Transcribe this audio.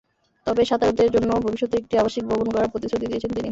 তবে সাঁতারুদের জন্যও ভবিষ্যতে একটি আবাসিক ভবন গড়ার প্রতিশ্রুতি দিয়েছেন তিনি।